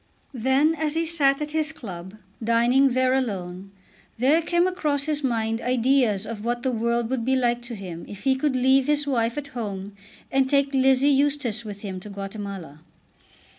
Then as he sat at his club, dining there alone, there came across his mind ideas of what the world would be like to him if he could leave his wife at home and take Lizzie Eustace with him to Guatemala.